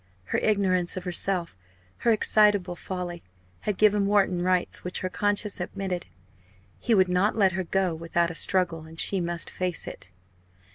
Her ignorance of herself her excitable folly had given Wharton rights which her conscience admitted. He would not let her go without a struggle, and she must face it.